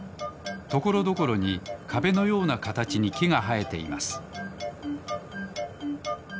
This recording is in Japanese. ところどころにかべのようなかたちにきがはえています